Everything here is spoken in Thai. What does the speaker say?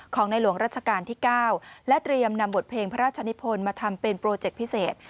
ในหลวงรัชกาลที่๙และเตรียมนำบทเพลงพระราชนิพลมาทำเป็นโปรเจคพิเศษ